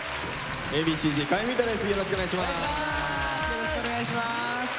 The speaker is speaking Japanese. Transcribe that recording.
よろしくお願いします。